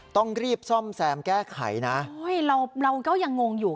ต้องรีบซ่อมแซมแก้ไขนะโอ้ยเราเราก็ยังงงอยู่